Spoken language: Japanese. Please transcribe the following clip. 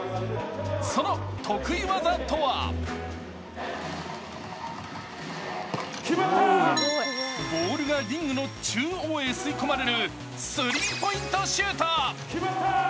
その得意技とはボールがリングの中央へ吸い込まれるスリーポイントシュート。